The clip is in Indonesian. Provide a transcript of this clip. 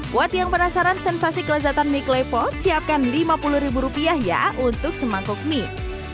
buat yang penasaran sensasi kelezatan mie klepot siapkan lima puluh ribu rupiah ya untuk semangkuk mie